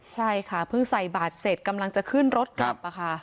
ใช่ค่ะเพิ่งใส่บาทเสร็จกำลังจะขึ้นรถกลับค่ะ